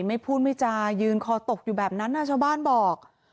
ไม่พูดไม่จายืนคอตกอยู่แบบนั้นชาวบ้านบอก